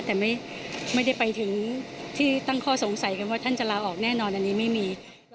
แต่ไม่ได้ไปถึงที่ตั้งข้อสงสัยกันว่าท่านจะลาออกแน่นอนอันนี้ไม่มี